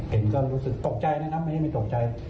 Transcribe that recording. เห็นก็รู้สึกตกใจนะครับไม่ได้ไม่ตกใจ